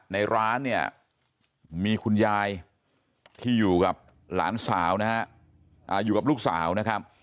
ในร้านเนี่ยมีคุณยายที่อยู่กับลูกสาวนะครับ